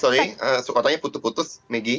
sorry sukatannya putus putus megi